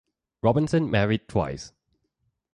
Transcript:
Robinson married twice.